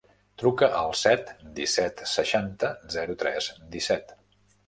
Truca al set, disset, seixanta, zero, tres, disset.